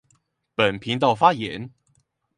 本頻道發言